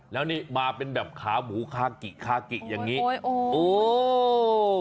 แล้วนี่มาเป็นแบบขาหมูคากิอย่างนี้โอ้ย